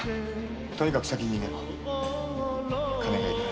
〔とにかく先に逃げろ〕〔金がいる。